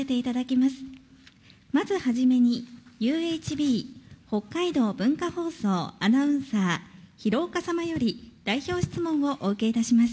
まず初めに、ＵＨＢ北海道文化放送アナウンサー、ひろおか様より代表質問をお受けいたします。